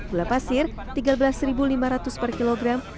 gula pasir rp tiga belas lima ratus per kilogram